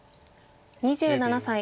２７歳。